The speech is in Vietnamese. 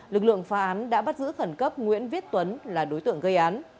lực lượng phá án đã bắt giữ khẩn cấp nguyễn viết tuấn là đối tượng gây án